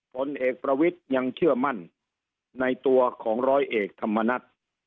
ผลเอกประวิทย์ยังเชื่อมั่นในตัวของร้อยเอกธรรมนัฐ